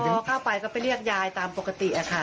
แต่พอเข้าไปก็ไปเรียกยายตามปกติอะค่ะ